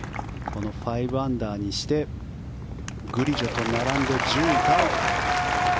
５アンダーにしてグリジョと並んで１０位タイ。